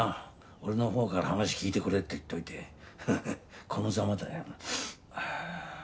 俺のほうから「話聞いてくれ」って言っといてハハッこのざまだよ。